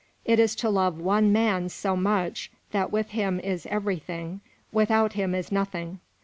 It is to love one man so much that with him is everything without him is nothing.